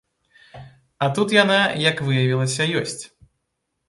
А тут яна, як выявілася, ёсць.